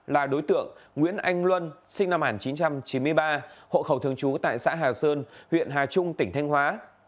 là đối tượng nguyễn anh luân sinh năm một nghìn chín trăm chín mươi ba hộ khẩu thường trú tại xã hà sơn huyện hà trung tỉnh thanh hóa